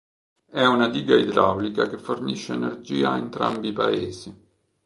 È una diga idraulica che fornisce energia a entrambi i paesi.